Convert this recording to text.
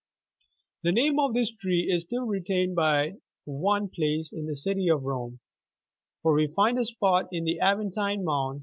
The name of this tree is still retained by one place in the city of Eome, for we find a spot on the Aventine *> Suetonius, c.